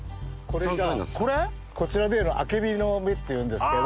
こちらで言うとアケビの芽っていうんですけど。